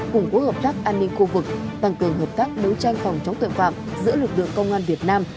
củng cố hợp tác an ninh khu vực tăng cường hợp tác đấu tranh phòng chống tội phạm giữa lực lượng công an việt nam